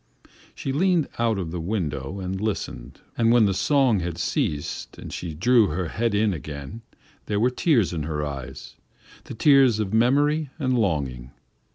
She leaned out of the window and listened and when the song had ceased and she drew her head in again, there were tears in her eyes the tears of memory and longing.